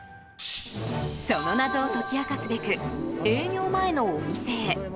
その謎を解き明かすべく営業前のお店へ。